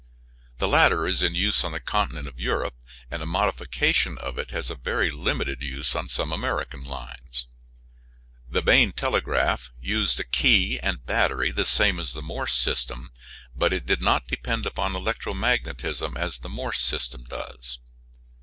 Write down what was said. The latter is in use on the continent of Europe, and a modification of it has a very limited use on some American lines. The Bain telegraph used a key and battery the same as the Morse system, but it did not depend upon electromagnetism as the Morse system does.